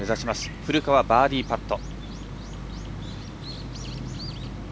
古川、バーディーパット。